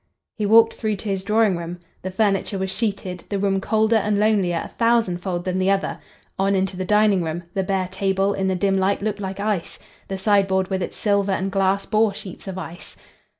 He walked through to his drawing room. The furniture was sheeted, the room colder and lonelier a thousand fold than the other;—on into the dining room;—the bare table in the dim light looked like ice; the sideboard with its silver and glass, bore sheets of ice.